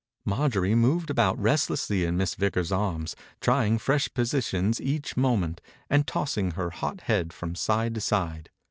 Marjorie moved about rest lessly in Miss Vickers's arms, try ing fresh positions each moment, and tossing her hot head from side to side.